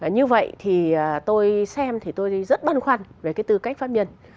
như vậy tôi xem tôi rất băn khoăn về tư cách phát biến